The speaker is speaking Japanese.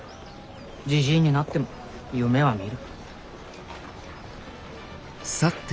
じじいになっても夢はみる。